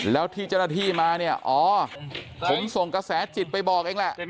แล้วที่เจ้าหน้าที่มาเนี่ยอ๋อผมส่งกระแสจิตไปบอกเองแหละ